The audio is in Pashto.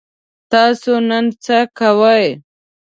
تاسو نن څه کوئ؟